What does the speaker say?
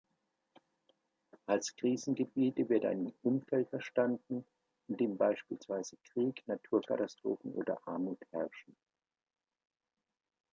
Als Krisengebiete wird ein Umfeld verstanden, in dem beispielsweise Krieg, Naturkatastrophen oder Armut herrschen.